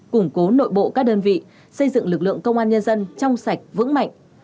củng cố nội bộ các đơn vị xây dựng lực lượng công an nhân dân trong sạch vững mạnh